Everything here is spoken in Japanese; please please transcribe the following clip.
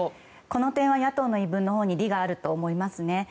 この点は野党の言い分のほうに利があると思いますね。